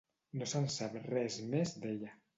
No se'n sap res més d'ella.